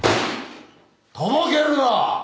とぼけるな！